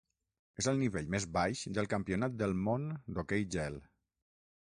És el nivell més baix del Campionat del Món d'hoquei gel.